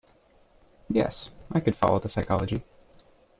Yes, I could follow the psychology.